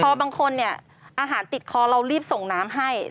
เพราะบางคนอาหารติดคอเรารีบส่งน้ำให้